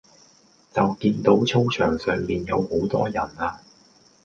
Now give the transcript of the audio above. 就見到操場上面有好多人呀